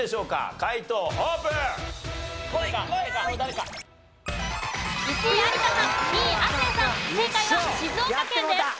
正解は静岡県です。